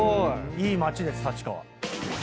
いい街です立川。